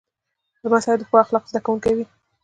لمسی د ښو اخلاقو زده کوونکی وي.